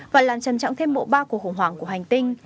và làm trầm trọng thêm mộ ba của khủng hoảng của hành tinh